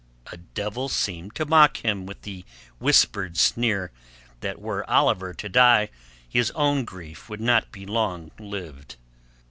A devil seemed to mock him with the whispered sneer that were Oliver to die his own grief would not be long lived.